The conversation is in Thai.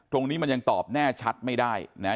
ตรงนี้มันยังตอบแน่ชัดไม่ได้นะ